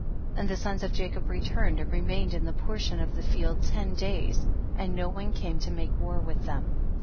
28. And the sons of Jacob returned and remained in the portion of the field ten days, and no one came to make war with them.